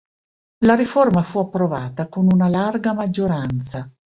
La riforma fu approvata con una larga maggioranza.